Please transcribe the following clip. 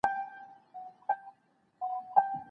معلم صاحب زموږ پاڼه وړاندي کړې ده.